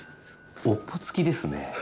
尾っぽつきですね。